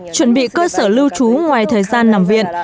chuẩn bị cơ sở lưu trú ngoài thời gian nằm viện